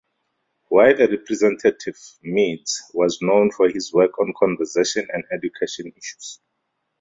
While a representative, Meeds was known for his work on conservation and education issues.